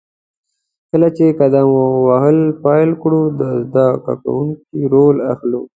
کله چې قدم وهل پیل کړو، د زده کوونکي رول اخلو.